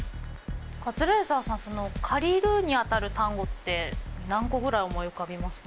カズレーザーさんその「借りる」にあたる単語って何個ぐらい思い浮かびますかね？